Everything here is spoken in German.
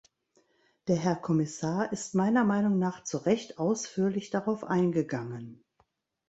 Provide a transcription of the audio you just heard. Der Herr Kommissar ist meiner Meinung nach zu Recht ausführlich darauf eingegangen.